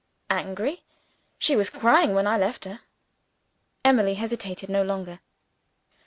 "Angry! She was crying when I left her." Emily hesitated no longer.